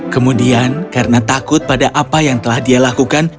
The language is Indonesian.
kemudian karena takut pada apa yang telah dia lakukan